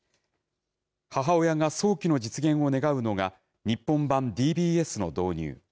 母親が早期の実現を願うのが、日本版ＤＢＳの導入。